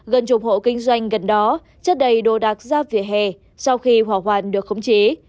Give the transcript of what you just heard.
gần chục hộ kinh doanh gần đó chất đầy đồ đạc ra vỉa hè sau khi hỏa hoạn được khống chế